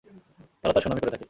তারা তাঁর সুনামই করে থাকে।